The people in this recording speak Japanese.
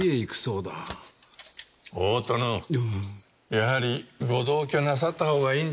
やはりご同居なさったほうがいいんじゃないですか？